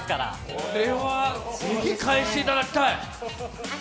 これは是非、返していただきたい。